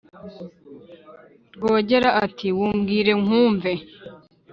rwogera, ati: «wumbwire nkwumve».